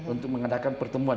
untuk mengadakan pertemuan